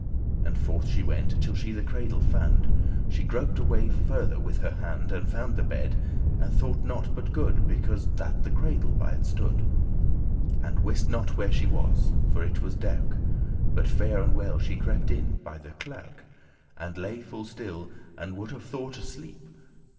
And forth she went, till she the cradle fand. She groped alway farther with her hand And found the bed, and *thoughte not but good* *had no suspicion* Because that the cradle by it stood, And wist not where she was, for it was derk; But fair and well she crept in by the clerk, And lay full still, and would have caught a sleep.